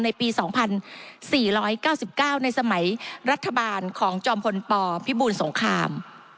ในปี๒๔๙๙ในสมัยรัฐบาลของจอมพลปพิบูลสงคราม